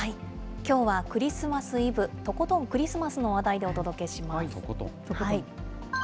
きょうはクリスマスイブ、とことんクリスマスの話題でお届けします。